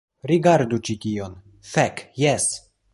Rigardu ĉi tion. Fek, jes.